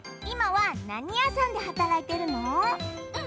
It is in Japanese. いまはなにやさんではたらいてるの？